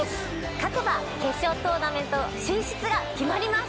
勝てば決勝トーナメント進出が決まります。